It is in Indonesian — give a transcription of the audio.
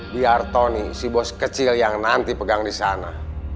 biar tony si bos kecil yang nanti pegang di sana